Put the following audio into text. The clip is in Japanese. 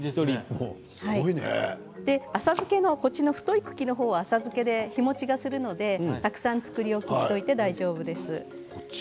太い茎の部分は浅漬けで日もちがするので、たくさん作り置きしておいて大丈夫です。